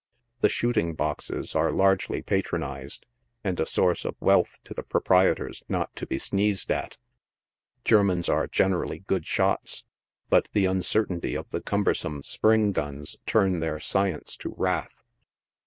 The shooting boxes are largely patronized, and a source of wealth ',o the proprietors .not to be sneezed at, Germans are generally good shots, but the uncertainty of the cumbersome spring guns " turn their science to wrath."